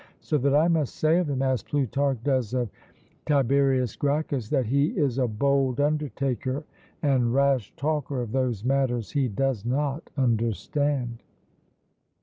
So that I must say of him, as Plutarch does of Tib. Gracchus, 'that he is a bold undertaker and rash talker of those matters he does not understand.'